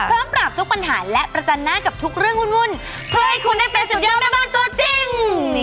ปราบทุกปัญหาและประจันหน้ากับทุกเรื่องวุ่นเพื่อให้คุณได้เป็นสุดยอดแม่บ้านตัวจริง